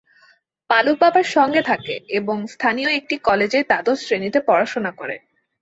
পালক বাবার সঙ্গে থাকে এবং স্থানীয় একটি কলেজে দ্বাদশ শ্রেণীতে পড়াশোনা করে।